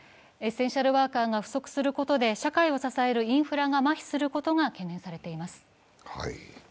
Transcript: エッセンシャルワーカーが不足することで社会を支えるインフラが麻痺することが懸念されています。